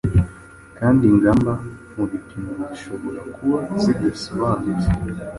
kandi ingamba mu bipimo zishobora kuba zidasobanutse